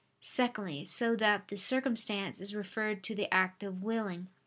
Secondly, so that the circumstance is referred to the act of willing.